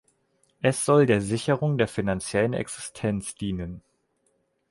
Es soll der Sicherung der finanziellen Existenz dienen.